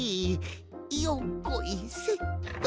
よっこいせっと。